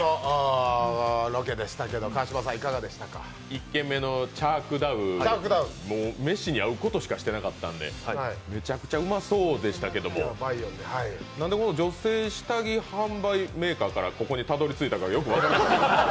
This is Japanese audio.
１軒目のチャー・クダウ飯に合うことしか言ってなかったんでめちゃくちゃうまそうでしたけど、なんで女性下着販売メーカーからここにたどり着いたか分からない。